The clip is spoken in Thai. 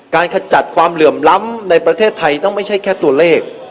ขจัดความเหลื่อมล้ำในประเทศไทยต้องไม่ใช่แค่ตัวเลข